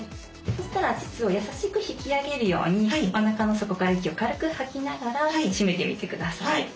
そしたら膣を優しく引き上げるようにおなかの底から息を軽く吐きながら締めてみてください。